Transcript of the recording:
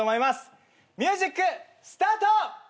ミュージックスタート！